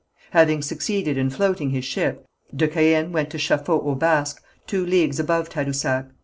Having succeeded in floating his ship, de Caën went to Chafaud aux Basques, two leagues above Tadousac.